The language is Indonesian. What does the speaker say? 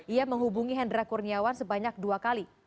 ia menghubungi hendra kurniawan sebanyak dua kali